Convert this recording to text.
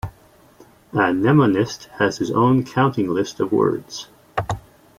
A mnemonist has his own "counting list" of words.